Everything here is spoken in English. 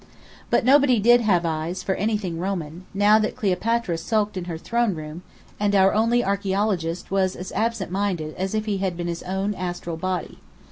But nobody did have eyes for anything Roman, now that Cleopatra sulked in her throne room, and our only archeologist was as absent minded as if he had been his own astral body.